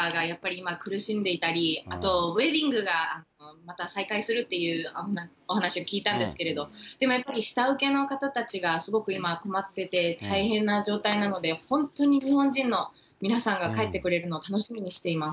今、苦しんでいたり、あとウエディングがまた再開するっていうお話を聞いたんですけれど、でもやっぱり下請けの方たちがすごく今、困ってて大変な状態なので、本当に日本人の皆さんが帰ってくれるのを楽しみにしています。